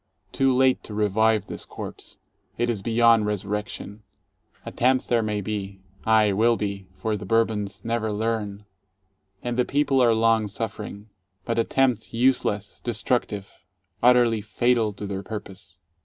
Too late to revive this corpse. It is beyond resurrection. Attempts there may be, aye, will be, for the Bourbons never learn, — and the people are long suffering. But attempts useless, destructive, utterly fatal to their purpose.